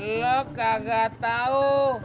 lo kagak tau